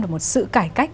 và một sự cải cách